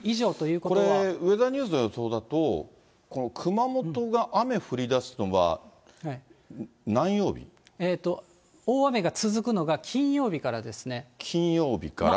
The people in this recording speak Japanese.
これ、ウェザーニューズの予想だと、熊本が雨降りだすのは何大雨が続くのが金曜日からで金曜日から。